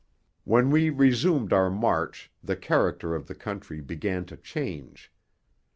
When we resumed our march the character of the country began to change.